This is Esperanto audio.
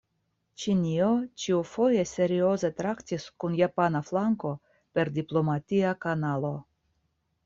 Ĉinio ĉiufoje serioze traktis kun japana flanko per diplomatia kanalo.